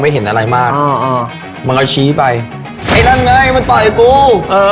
ไอ้นั่นไงมันต่อกับกู